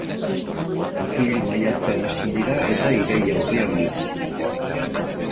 Apiril-maiatzean hasten dira eta iraila-urrian heldu.